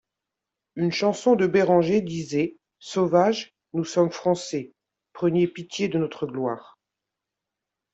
Une chanson de Béranger disait: Sauvages, nous sommes français ; prenez pitié de notre gloire.